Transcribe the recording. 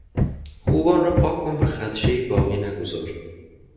خوب آن را پاک کن و خدشهای باقی نگذار.